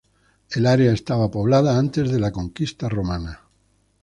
El área estaba poblada antes de la conquista romana.